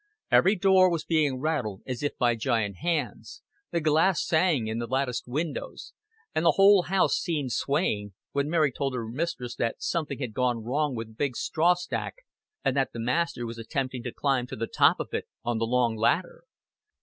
Every door was being rattled as if by giant hands, the glass sang in the latticed windows, and the whole house seemed swaying, when Mary told her mistress that something had gone wrong with the big straw stack and that the master was attempting to climb to the top of it on the long ladder.